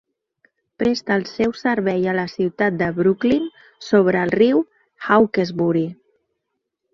Presta el seu servei a la ciutat de Brooklyn, sobre el riu Hawkesbury.